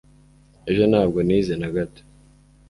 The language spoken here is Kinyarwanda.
ejo ntabwo nize na gato